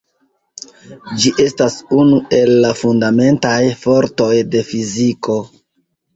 Ĝi estas unu el la fundamentaj fortoj de fiziko.